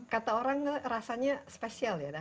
kata orang rasanya spesial ya